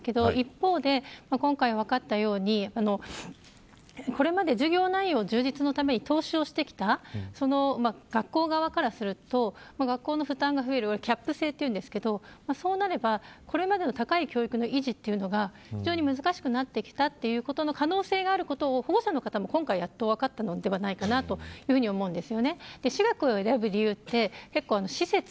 無償化自体は保護者にとってはありがたい、歓迎したいということもありますが一方で今回分かったようにこれまで授業内容充実のために投資をしてきた学校側からすると学校の負担が増えるキャップ制というんですけどそうなれば、これまでの高い教育の維持というのが難しくなってきたという可能性があることを保護者の方も分かったのではないかなと思うんです。